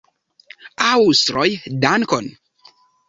Aŭstroj, dankon!